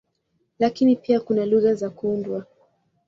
Lakini pia kuna lugha za kuundwa.